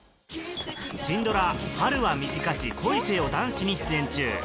シンドラ『春は短し恋せよ男子。』に出演中